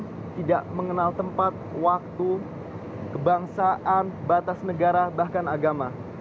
mereka tidak mengenal tempat waktu kebangsaan batas negara bahkan agama